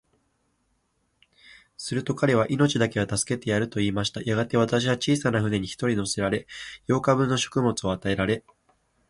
すると彼は、命だけは助けてやる、と言いました。やがて、私は小さな舟に一人乗せられ、八日分の食物を与えられ、